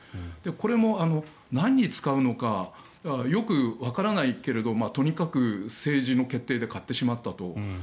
これも何に使うのかよくわからないけどとにかく政治の決定で買ってしまったと。